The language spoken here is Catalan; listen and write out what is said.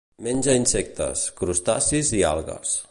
Menja insectes, crustacis i algues.